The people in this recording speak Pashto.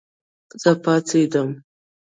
زه پاڅېدم